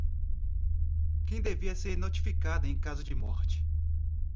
quem devia ser notificado em caso de morte